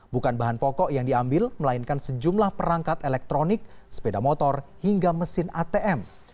bukan bahan pokok yang diambil melainkan sejumlah perangkat elektronik sepeda motor hingga mesin atm